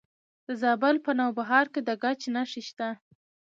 د زابل په نوبهار کې د ګچ نښې شته.